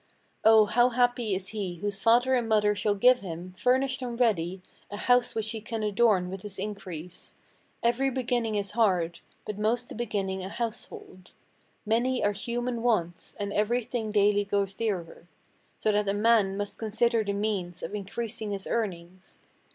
Oh, how happy is he whose father and mother shall give him, Furnished and ready, a house which he can adorn with his increase. Every beginning is hard; but most the beginning a household. Many are human wants, and every thing daily grows dearer, So that a man must consider the means of increasing his earnings.